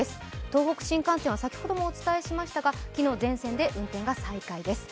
東北新幹線は先ほどもお伝えしましたが、昨日、全線で運転が再開です。